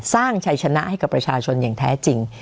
ชัยชนะให้กับประชาชนอย่างแท้จริง